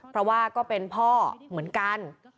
เพราะว่าก็เป็นพ่อเหมือนกัน